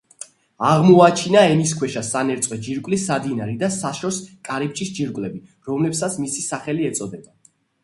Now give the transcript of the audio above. აღმოაჩინა ენისქვეშა სანერწყვე ჯირკვლის სადინარი და საშოს კარიბჭის ჯირკვლები, რომლებსაც მისი სახელი ეწოდება.